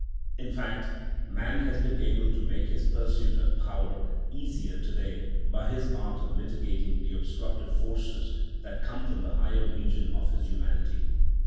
In fact, man has been able to make his pursuit of power easier to day by his art of mitigating the obstructive forces that come from the higher region of his humanity.